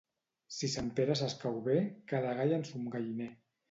Si Sant Pere s'escau bé, cada gall en son galliner.